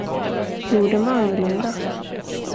Jorden var annorlunda.